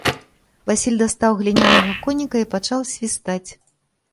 Васіль дастаў глінянага коніка і пачаў свістаць.